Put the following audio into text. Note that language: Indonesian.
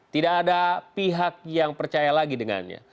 tidak ada pihak yang percaya lagi dengannya